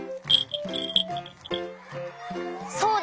そうだ！